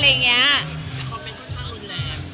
แต่คอมเมนต์เขาถ้าคุณแรง